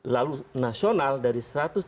lalu nasional dari satu ratus tujuh puluh